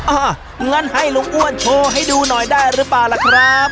อ่ะงั้นให้ลุงอ้วนโชว์ให้ดูหน่อยได้หรือเปล่าล่ะครับ